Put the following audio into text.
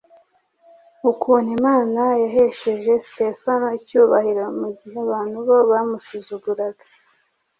ukuntu Imana yahesheje Sitefano icyubahiro mu gihe abantu bo bamusuzuguraga.